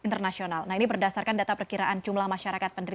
tetaplah bersama kami